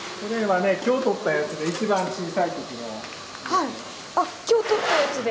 これあっ今日とったやつで？